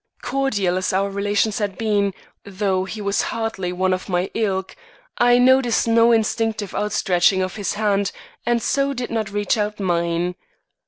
Cordial as our relations had been though he was hardly one of my ilk I noted no instinctive outstretching of his hand, and so did not reach out mine.